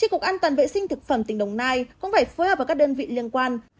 cục an toàn vệ sinh thực phẩm tỉnh đồng nai cũng phải phối hợp với các đơn vị liên quan